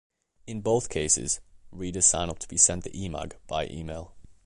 In both cases, readers sign up to be sent the 'eMag' by email.